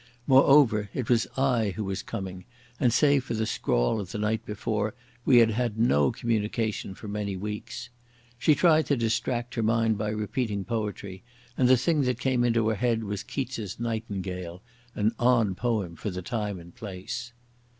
Moreover, it was I who was coming, and save for the scrawl of the night before, we had had no communication for many weeks.... She tried to distract her mind by repeating poetry, and the thing that came into her head was Keats's "Nightingale", an odd poem for the time and place.